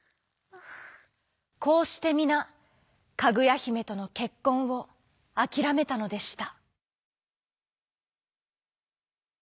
こうしてみなかぐやひめとのけっこんをあきらめたのでした。